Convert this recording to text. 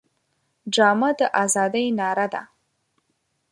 ډرامه د ازادۍ ناره ده